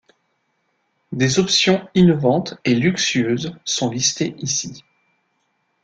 Des options innovantes et luxueuses sont listées ici.